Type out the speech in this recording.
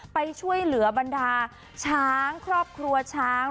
ไปช่วยเหลือบรรดาช้างครอบครัวช้าง